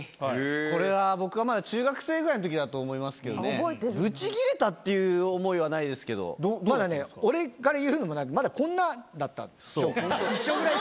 これが僕がまだ中学生ぐらいのときだと思いますけどね、ブチ切れたっていう思いはないでまだね、俺が言うのもなんだけど、まだこんなんだったんですよ。